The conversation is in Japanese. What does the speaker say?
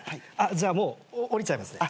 じゃあもう降りちゃいますね。